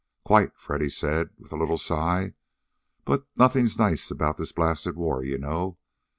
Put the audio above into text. "Quite," Freddy said with a little sigh. "But nothing's nice about this blasted war, you know.